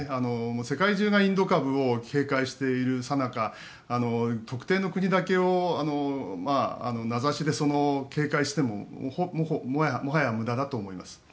世界中がインド株を警戒しているさなか特定の国だけを名指しで警戒してももはや無駄だと思います。